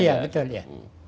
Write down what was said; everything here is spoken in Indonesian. iya betul ya